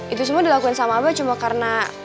itu semua dilakukan sama abah cuma karena